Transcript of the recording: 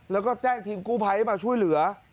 แล้วก็แจ้งทีมกู้ไภมาช่วยเหลือ